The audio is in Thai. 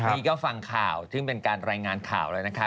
นี่ก็ฟังข่าวซึ่งเป็นการรายงานข่าวแล้วนะคะ